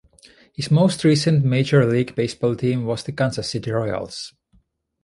His most recent Major League Baseball team was the Kansas City Royals.